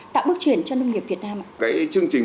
tạo bước chuyển cho nông nghiệp việt nam